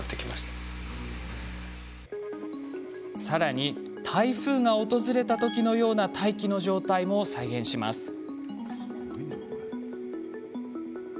さらに台風が訪れたときのような大気の状態も再現します。